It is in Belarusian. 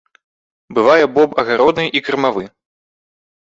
Бывае боб агародны і кармавы.